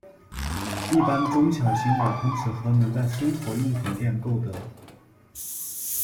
一般中小型瓦通纸盒能在生活用品店购得。